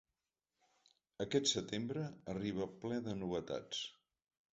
Aquest setembre arriba ple de novetats.